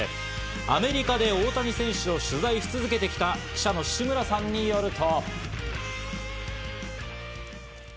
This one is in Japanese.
アメリカで大谷選手を取材し続けてきた記者の志村さんによると。